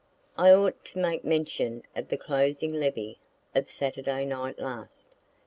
I ought to make mention of the closing levee of Saturday night last.